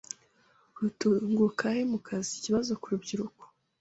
Rutugwukwehe mu kezi, ikibezo ku rubyiruko